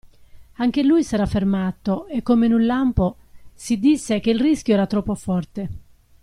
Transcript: Anche lui s'era fermato e, come in un lampo, si disse che il rischio era troppo forte.